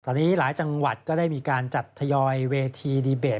ตอนนี้หลายจังหวัดก็ได้มีการจัดทยอยเวทีดีเบต